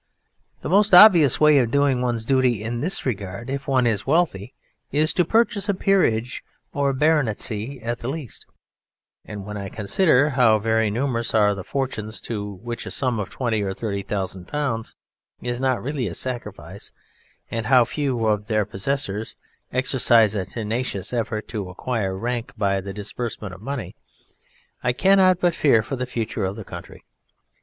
The most obvious way of doing one's duty in this regard if one is wealthy is to purchase a peerage, or a Baronetcy at the least, and when I consider how very numerous are the fortunes to which a sum of twenty or thirty thousand pounds is not really a sacrifice, and how few of their possessors exercise a tenacious effort to acquire rank by the disbursement of money, I cannot but fear for the future of the country!